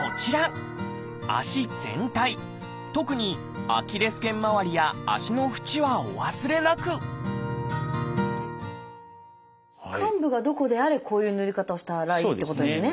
足全体特にアキレス腱まわりや足の縁はお忘れなく患部がどこであれこういうぬり方をしたらいいっていうことですね。